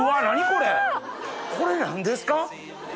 これ何ですか？